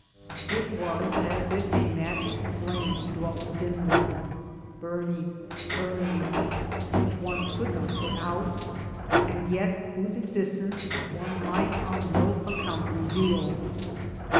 It was as if a magic flame dwelt within one, burning, burning, which one could not put out, and yet whose existence one might on no account reveal.